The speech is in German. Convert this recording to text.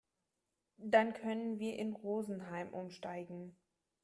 Dann können wir in Rosenheim umsteigen.